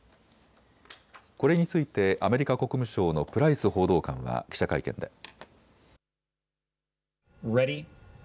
これについてアメリカ国務省のプライス報道官は記者会見で。